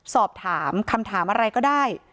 สอบถามคำถามอะไรก็ได้